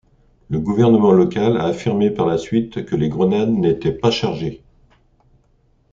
Le gouvernement local a affirmé par la suite que les grenades n'étaient pas chargées.